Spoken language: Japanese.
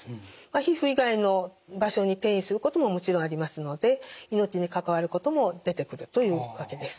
皮膚以外の場所に転移することももちろんありますので命に関わることも出てくるというわけです。